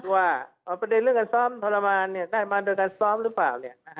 ว่าประเด็นเรื่องการซ้อมทรมานได้มาโดยการซ้อมหรือเปล่า